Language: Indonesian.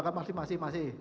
kan masih masih